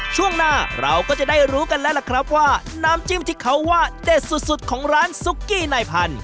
ช่วงหน้าเราก็จะได้รู้กันแล้วล่ะครับว่าน้ำจิ้มที่เขาว่าเด็ดสุดของร้านซุกกี้นายพันธุ